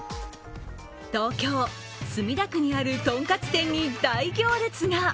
東京・墨田区にあるとんかつ店に大行列が。